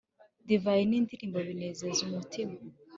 divayi n'indirimbo binezeza umutima